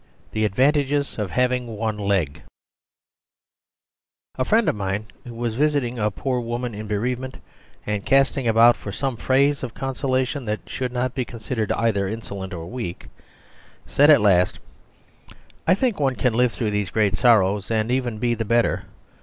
The Advantages of Having One Leg A friend of mine who was visiting a poor woman in bereavement and casting about for some phrase of consolation that should not be either insolent or weak, said at last, "I think one can live through these great sorrows and even be the better.